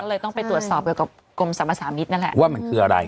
เลยต้องไปตรวจสอบเกี่ยวกับกรมสรรพสามิตรนั่นแหละว่ามันคืออะไร